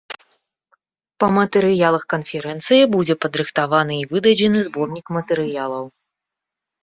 Па матэрыялах канферэнцыі будзе падрыхтаваны і выдадзены зборнік матэрыялаў.